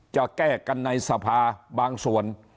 จะแก้กันในสภาบางส่วน